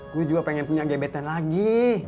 gue juga pengen punya gebetan lagi